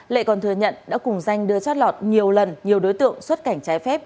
lệ còn thừa nhận đã cùng danh đưa chót lọt nhiều lần nhiều đối tượng xuất cảnh trái phép